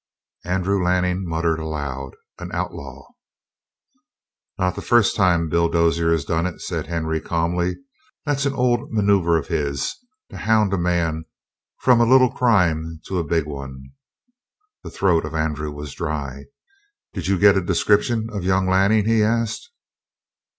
Andrew Lanning muttered aloud: "An outlaw!" "Not the first time Bill Dozier has done it," said Henry calmly. "That's an old maneuver of his to hound a man from a little crime to a big one." The throat of Andrew was dry. "Did you get a description of young Lanning?" he asked.